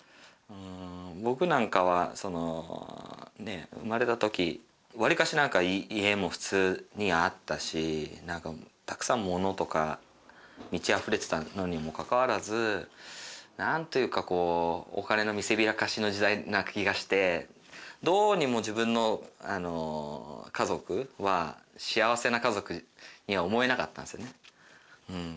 僕なんかはその生まれたときわりかし何か家も普通にあったしたくさん物とか満ちあふれてたのにもかかわらず何というかこうお金の見せびらかしの時代な気がしてどうにも自分の家族は幸せな家族には思えなかったんですよね。